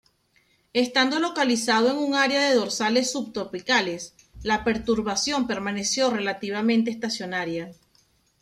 Estando localizado en un área de dorsales subtropicales, la perturbación permaneció relativamente estacionaria.